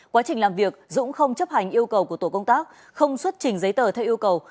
quá trình làm việc dũng không chấp hành yêu cầu của tổ công tác không xuất trình giấy tờ theo yêu cầu